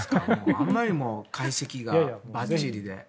あまりに解析がばっちりで。